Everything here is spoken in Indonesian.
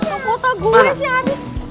aku kota gue sih abis